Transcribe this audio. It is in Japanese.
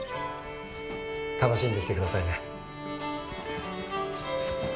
楽しんできてくださいね。